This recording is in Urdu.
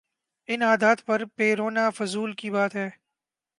ان عادات پہ رونا فضول کی بات ہے۔